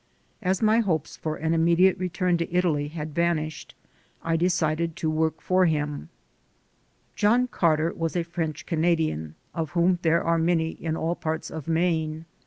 As my hopes for an immediate return to Italy had vanished, I decided to work for him. 122 THE SOUL OF AN. IMMIGRANT John Carter was a French Canadian, of whom there are many in all parts of Maine.